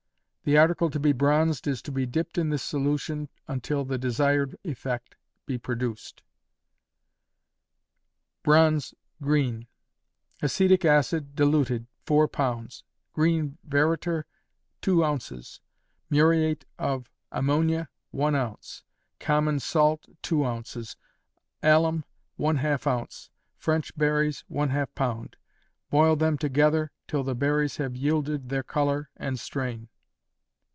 The article to be bronzed is to be dipped in this solution till the desired effect be produced. Bronze, Green. Acetic acid, diluted, 4 lbs; green veriter, 2 oz.; muriate of ammonia, 1 oz.; common salt, 2 oz.; alum, ½ oz.; French berries, ½ lb.; boil them together till the berries have yielded their color, and strain.